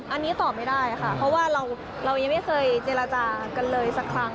อันนี้ตอบไม่ได้ค่ะเพราะว่าเรายังไม่เคยเจรจากันเลยสักครั้ง